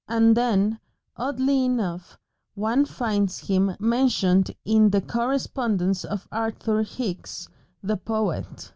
And then, oddly enough, one finds him mentioned in the correspondence of Arthur Hicks, the poet.